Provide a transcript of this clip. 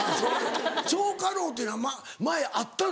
蝶花楼っていうのは前あったの？